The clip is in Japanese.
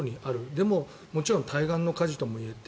でも、もちろん対岸の火事とも言えて